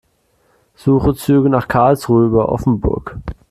Suche Züge nach Karlsruhe über Offenburg.